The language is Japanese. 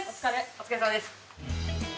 お疲れさまです！